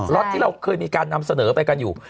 ็อตที่เราเคยมีการนำเสนอไปกันอยู่